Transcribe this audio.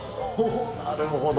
なるほど。